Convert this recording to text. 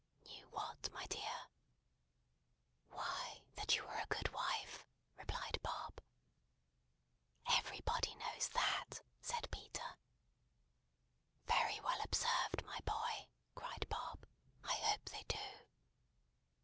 "Knew what, my dear?" "Why, that you were a good wife," replied Bob. "Everybody knows that!" said Peter. "Very well observed, my boy!" cried Bob. "I hope they do.